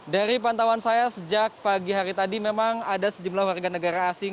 dari pantauan saya sejak pagi hari tadi memang ada sejumlah warga negara asing